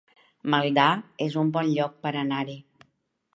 Maldà es un bon lloc per anar-hi